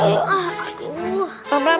oh di belakang